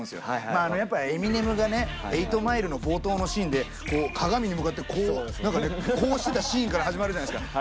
まああのやっぱエミネムがね「８Ｍｉｌｅ」の冒頭のシーンでこう鏡に向かってこう何かねこうしてたシーンから始まるじゃないですか。